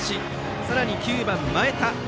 さらに９番の前田。